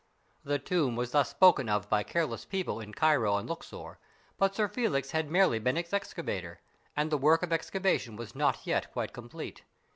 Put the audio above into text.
The tomb was thus spoken of by careless people in Cairo and Luxor, but Sir Felix had merely been its excavator, and the work of excavation was not yet quite complete.